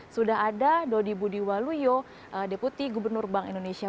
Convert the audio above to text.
sudah ada dodi budiwaluyo deputi gubernur bank indonesia